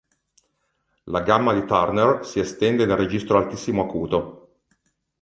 La gamma di Turner si estende nel registro altissimo acuto.